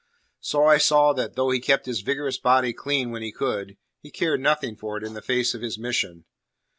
So I saw that though he kept his vigorous body clean when he could, he cared nothing for it in the face of his mission.